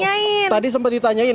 nah itu tadi sempat ditanyain